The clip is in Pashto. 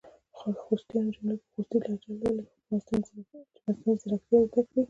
خوستیانو جملي په خوستې لهجه لولۍ چې مصنوعي ځیرکتیا یې زده کړې!